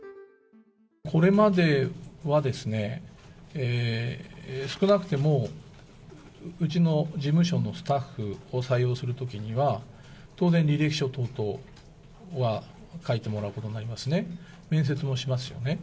これまでは、少なくともうちの事務所のスタッフを採用するときには、当然、履歴書等々は書いてもらうことになりますね、面接もしますよね。